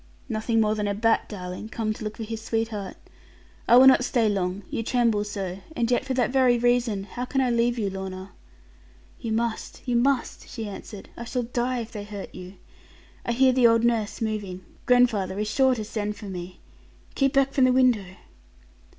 'Nothing more than a bat, darling, come to look for his sweetheart. I will not stay long; you tremble so: and yet for that very reason, how can I leave you, Lorna?' 'You must you must,' she answered; 'I shall die if they hurt you. I hear the old nurse moving. Grandfather is sure to send for me. Keep back from the window.'